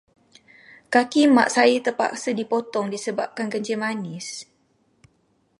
Kaki Mak saya terpaksa dipotong disebabkan kencing manis.